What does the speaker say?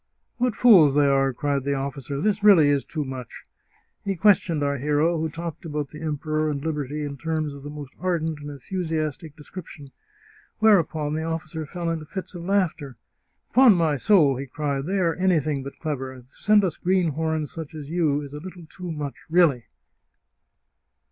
" What fools they are !" cried the officer ;" this really is too much !" He questioned our hero, who talked about the Emperor and liberty in terms of the most ardent and enthusiastic de scription; whereupon the officer fell into fits of laughter. " Upon my soul !" he cried, " they are anything but clever ; to send us greenhorns such as you is a little too much, really